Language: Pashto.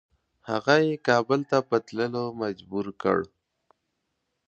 هغه یې کابل ته په تللو مجبور کړ.